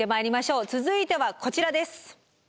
続いてはこちらです。